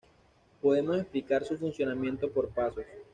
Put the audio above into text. Podemos explicar su funcionamiento por pasos.